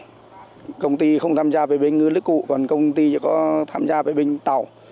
không công ty không tham gia về bên ngư lấy cụ còn công ty có tham gia về bên tàu